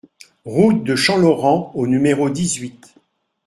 Route de Champlaurent au numéro dix-huit